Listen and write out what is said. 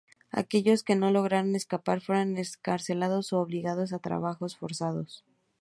Aquellos que no lograron escapar fueron encarcelados u obligados a trabajos forzados.